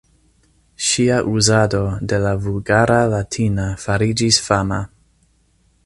Ŝia uzado de la Vulgara Latina fariĝis fama.